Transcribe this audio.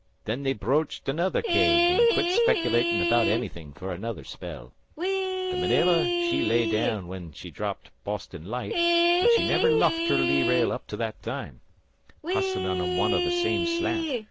Then they broached another keg, an' quit speculatin' about anythin' fer another spell. The Marilla she lay down whin she dropped Boston Light, and she never lufted her lee rail up to that time hustlin' on one an' the same slant.